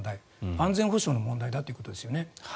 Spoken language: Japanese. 安全保障の問題だということですよね。